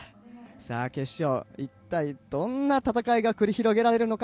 決勝、一体どんな戦いが繰り広げられるのか。